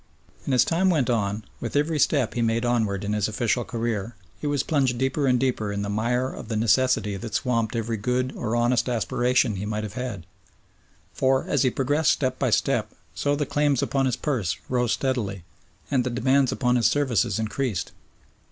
And as time went on, with every step he made onward in his official career he was plunged deeper and deeper in the mire of the necessity that swamped every good or honest aspiration he might have had, for as he progressed step by step so the claims upon his purse rose steadily and the demands upon his services increased.